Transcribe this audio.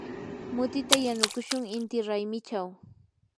mutita yanukushun inti raymichaw.